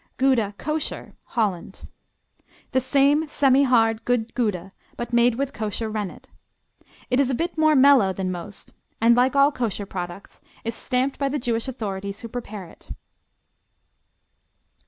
Gouda, Kosher Holland The same semihard good Gouda, but made with kosher rennet. It is a bit more mellow than most and, like all kosher products, is stamped by the Jewish authorities who prepare it.